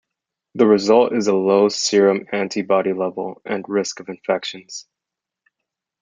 The result is a low serum antibody level and risk of infections.